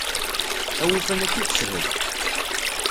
Awufan akka i yeshel.